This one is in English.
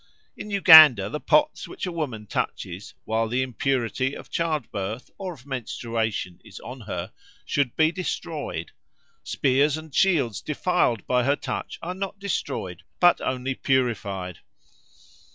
In Uganda the pots which a woman touches, while the impurity of childbirth or of menstruation is on her, should be destroyed; spears and shields defiled by her touch are not destroyed, but only purified.